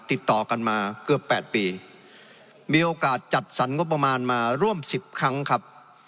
ติดต่อกันมาเกือบ๘ปีมีโอกาสจัดสรรงบประมาณมาร่วม๑๐ครั้งครับ